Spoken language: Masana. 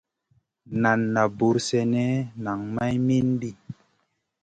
Nan na buur sènè nang may mindi.